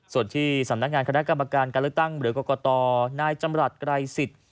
ส่วนที่สำนักงานคณะกรรมการการเลือกตั้งเหลือกรกตนจไกรศิษฐ์